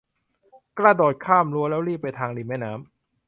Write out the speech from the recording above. กระโดดข้ามรั้วแล้วรีบไปทางริมแม่น้ำ